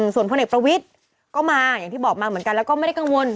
ส่วนพลเอกประวิทย์ก็มาอย่างที่บอกมาเหมือนกันแล้วก็ไม่ได้กังวล